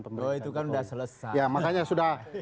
pemerintah oh itu kan sudah selesai ya makanya sudah